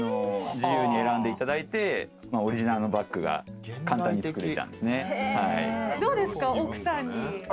自由に選んでいただいてオリジナルのバッグが簡単に作れちゃうんですね。